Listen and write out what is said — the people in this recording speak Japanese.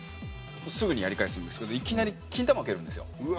すぐにやり返すんですけどいきなりキンタマを蹴るんですよ。